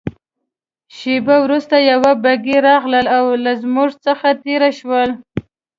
شېبه وروسته یوه بګۍ راغلل او له موږ څخه تېره شول.